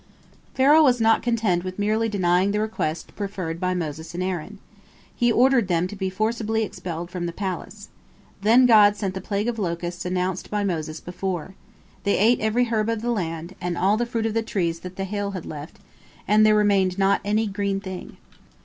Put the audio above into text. Pharaoh was not content with merely denying the request preferred by Moses and Aaron. He ordered them to be forcibly expelled from the palace. Then God sent the plague of the locusts announced by Moses before. They ate every herb of the land, and all the fruit of the trees that the hail had left, and there remained not any green thing.